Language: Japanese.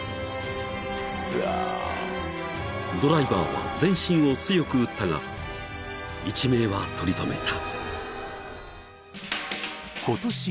［ドライバーは全身を強く打ったが一命は取り留めた］